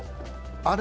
あれ？